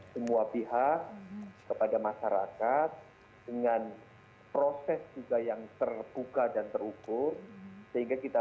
semua pihak kepada masyarakat dengan proses juga yang terbuka dan terukur sehingga kita